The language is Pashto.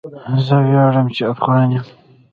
زه ویاړم چې افغان یم.